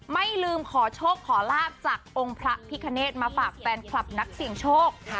ภาพจากองค์พระพิคเนศมาฝากแฟนคลับนักเสียงโชค